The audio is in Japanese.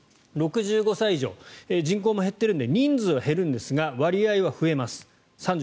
６５歳以上人口も減っているので人数は減るんですが割合は増えます。